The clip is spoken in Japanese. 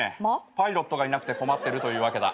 パイロットがいなくて困ってるというわけだ。